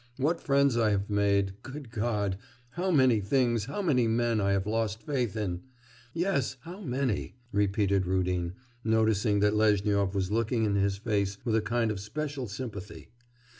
What friends I have made good God! How many things, how many men I have lost faith in! Yes, how many!' repeated Rudin, noticing that Lezhnyov was looking in his face with a kind of special sympathy.